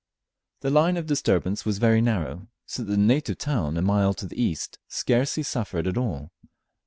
The line of disturbance was very narrow, so that the native town a mile to the east scarcely suffered at all.